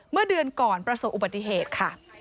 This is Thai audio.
เมื่อเดือนก่อนประสบอุบัติเหตุค่ะ